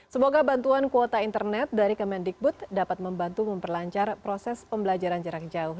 semoga bantuan kuota internet dari kemendikbud dapat membantu memperlancar proses pembelajaran jarak jauh